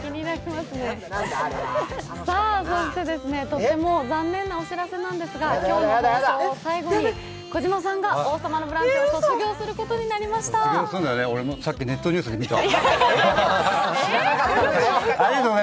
そしてとっても残念なお知らせなんですが今日の放送を最後に、児嶋さんが「王様のブランチ」を卒業することになりました卒業するんだよね、俺も、さっきネットニュースで見た。